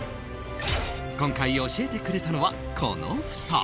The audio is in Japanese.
今回教えてくれたのは、この２人。